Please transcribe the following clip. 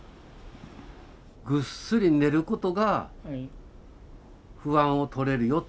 ぐっすり寝ることが不安を取れるよ。